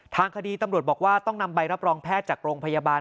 ทางคดีตำรวจบอกว่าต้องนำใบรับรองแพทย์จากโรงพยาบาล